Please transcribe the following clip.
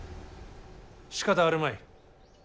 しかたあるまい。